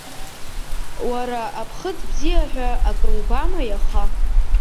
Уара аԥхыӡ бзиа ҳәа акыр убама иаха?